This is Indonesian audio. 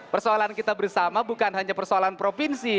persoalan kita bersama bukan hanya persoalan provinsi